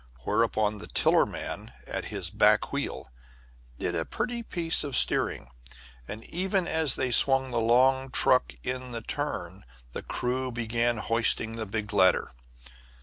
Whereupon the tiller man at his back wheel did a pretty piece of steering, and even as they swung the long truck in the turn the crew began hoisting the big ladder.